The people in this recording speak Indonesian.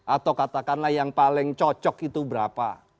atau katakanlah yang paling cocok itu berapa